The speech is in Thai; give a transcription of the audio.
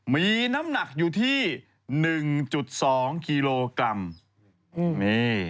มีน้ำหนักอยู่ที่๑๒กิโลกรัม